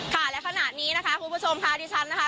ค่ะและขณะนี้นะคะคุณผู้ชมค่ะดิฉันนะคะ